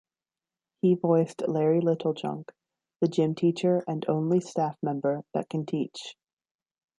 He voiced Larry Littlejunk, the gym teacher and only staff member that can teach.